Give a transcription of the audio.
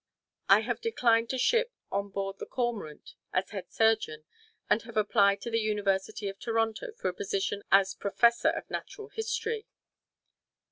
"I have declined to ship on board the 'Cormorant' as head surgeon, and have applied to the University of Toronto for a position as Professor of Natural History."